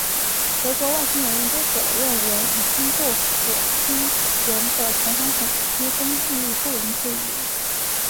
德国外星人研究所的论文已经过火星人的同行审批，公信力不容置疑。